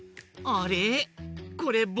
あれ？